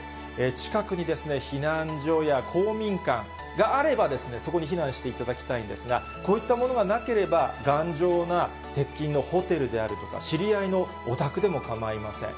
近くにですね、避難所や公民館があればですね、そこに避難していただきたいんですが、こういったものがなければ、頑丈な鉄筋のホテルであるとか、知り合いのお宅でもかまいません。